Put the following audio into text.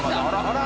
あら。